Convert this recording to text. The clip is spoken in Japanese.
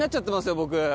僕。